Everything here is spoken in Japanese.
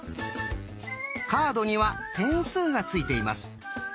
カードには点数がついています。